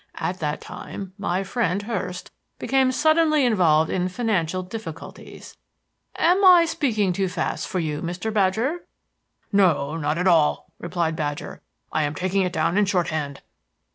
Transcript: At that time my friend Hurst became suddenly involved in financial difficulties am I speaking too fast for you, Mr. Badger?" "No, not at all," replied Badger. "I am taking it down in shorthand."